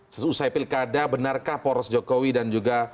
seusai pilkada benarkah poros jokowi dan juga